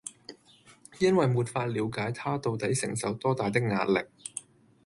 因為沒法了解他到底承受多大的壓力